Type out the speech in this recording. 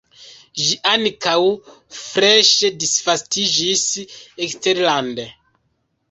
Ĝi ankaŭ freŝe disvastiĝis eksterlande.